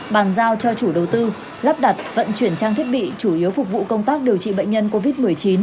bàn giao cho chủ đầu tư lắp đặt vận chuyển trang thiết bị chủ yếu phục vụ công tác điều trị bệnh nhân covid một mươi chín